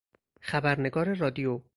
خبرنگار رادیو